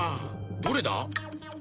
どれだ？